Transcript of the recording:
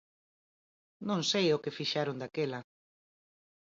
Non sei o que fixeron daquela.